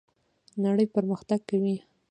نړۍ پرمختګ کوي